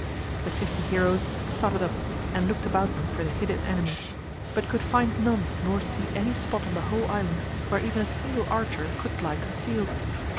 The fifty heroes started up and looked about them for the hidden enemy, but could find none nor see any spot on the whole island where even a single archer could lie concealed.